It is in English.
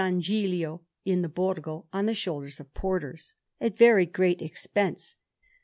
Gilio in the Borgo on the shoulders of porters, at very great expense.